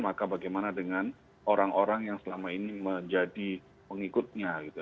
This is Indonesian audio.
maka bagaimana dengan orang orang yang selama ini menjadi pengikutnya gitu